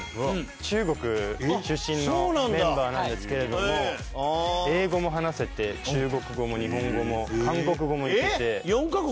中国出身のメンバーなんですけれども英語も話せて中国語も日本語も韓国語もいけて。